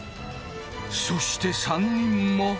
そして３人も。